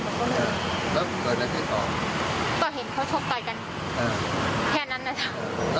แล้วก็เห็นเขาชบต่อยกันแทนนั้นแหละค่ะ